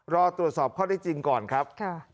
รอตรวจสอบข้อได้จริงก่อนครับ